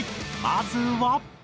まずは。